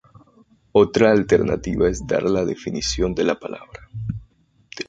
Otra alternativa es dar la definición de la palabra.